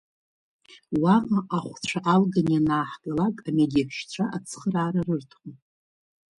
Уаҟа ахәцәа алганы ианнаҳгалак амедеҳәшьцәа ацхыраара рырҭон.